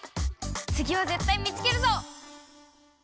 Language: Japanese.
つぎはぜったい見つけるぞ！